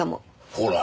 ほら。